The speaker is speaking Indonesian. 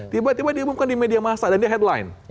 tiba tiba diumumkan di media masa dan dia headline